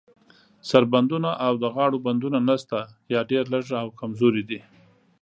سر بندونه او د غاړو بندونه نشته، یا ډیر لږ او کمزوري دي.